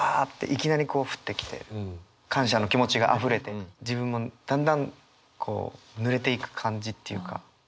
いきなりこう降ってきて感謝の気持ちがあふれて自分もだんだんぬれていく感じっていうか。